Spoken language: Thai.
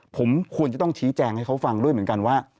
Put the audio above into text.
ผมควรจะต้องชี้แจงให้เขาฟังด้วยเหมือนกันว่า